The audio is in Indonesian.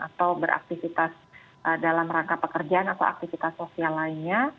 atau beraktivitas dalam rangka pekerjaan atau aktivitas sosial lainnya